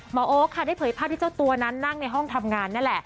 โอ๊คค่ะได้เผยภาพที่เจ้าตัวนั้นนั่งในห้องทำงานนั่นแหละ